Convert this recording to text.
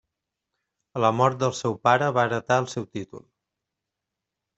A la mort del seu pare va heretar el seu títol.